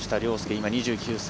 今、２９歳。